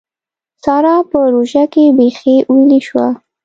سارا په روژه کې بېخي ويلې شوه.